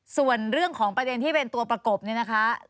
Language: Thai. ส่วนเรื่องของประเด็นที่เป็นตัวประกบนี่นะคะ